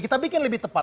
kita bikin lebih tepat